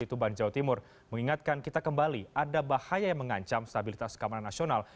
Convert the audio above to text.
di tuban jawa timur mengingatkan kita kembali ada bahaya yang mengancam stabilitas keamanan nasional